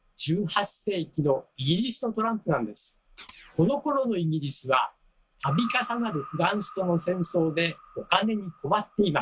このころのイギリスはたび重なるフランスとの戦争でお金に困っていました。